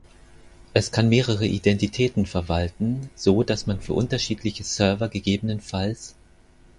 Es kann mehrere Identitäten verwalten, so dass man für unterschiedliche Server ggf.